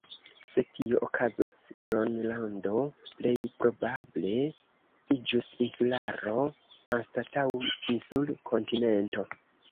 Se tio okazus Gronlando plej probable iĝus insularo, anstataŭ insul-kontinento.